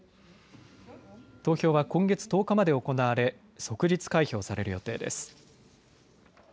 投票は今月１０日まで行われ即日開票される予定です。